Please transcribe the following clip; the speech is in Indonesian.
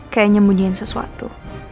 kayaknya memudihkan sesuatu